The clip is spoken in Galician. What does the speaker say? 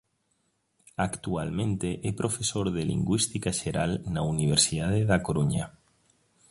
Actualmente é profesor de Lingüística xeral na Universidade da Coruña.